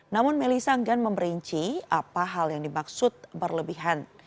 namun melisa anggra memberinci apa hal yang dimaksud berlebihan